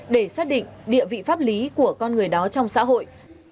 để xác định địa vị pháp lý của con người đó trong xã hội